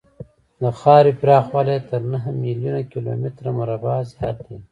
د خاورې پراخوالی یې تر نهو میلیونو کیلومترو مربعو زیات دی.